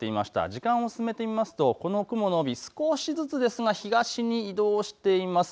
時間を進めてみると雲の帯、少しずつ東に移動しています。